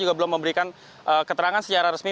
juga belum memberikan keterangan secara resmi